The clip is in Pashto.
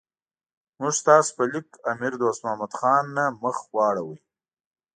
موږ ستاسو په لیک امیر دوست محمد خان نه مخ واړاو.